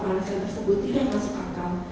alasan tersebut tidak masuk akal